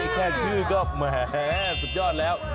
แค่ชื่อก็แหมสุดยอดแล้ว